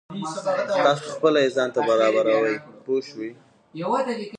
تاسو خپله یې ځان ته برابروئ پوه شوې!.